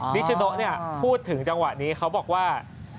นิชโนพูดถึงจังหวะนี้เขาบอกว่า